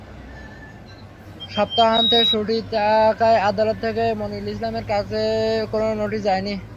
সপ্তাহান্তের ছুটি থাকায় আদালত থেকে মনিরুল ইসলামের কাছে কোনো নোটিশ যায়নি।